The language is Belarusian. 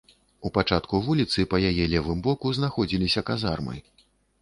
У пачатку вуліцы па яе левым боку знаходзіліся казармы.